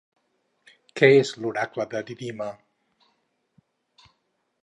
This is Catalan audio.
Què és l'oracle de Didima?